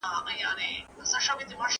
خو اندېښنه لا شته.